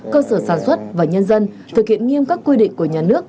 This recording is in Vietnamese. cơ sở sản xuất và nhân dân thực hiện nghiêm các quy định của nhà nước